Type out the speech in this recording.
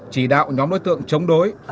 chỉ đạo nhóm đối tượng chống đối